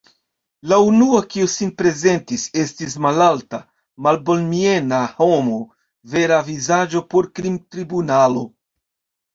La unua, kiu sin prezentis, estis malalta, malbonmiena homo; vera vizaĝo por krimtribunalo.